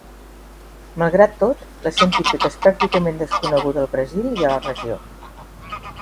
Malgrat tot, la científica és pràcticament desconeguda al Brasil i a la regió.